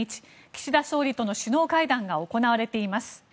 岸田総理との首脳会談が行われています。